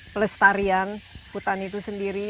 pelestarian hutan itu sendiri